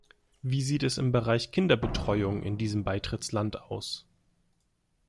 Wie sieht es im Bereich Kinderbetreuung in diesem Beitrittsland aus?